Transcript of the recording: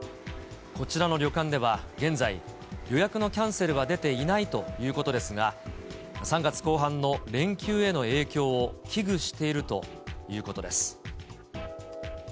こちらの旅館では現在、予約のキャンセルは出ていないということですが、３月後半の連休への影響を危惧しているということです。